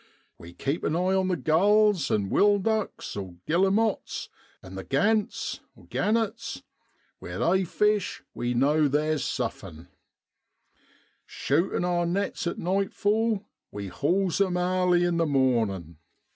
We keep an eye on the gulls an' wil ducks (guillemots) an' the gants (gannets); where they fish we know theer's suflfin'. Shutin' (shooting) our nets at nightfall we hauls them airly in the mornin'.